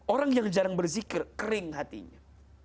orang yang jarang berzikir kering hatinya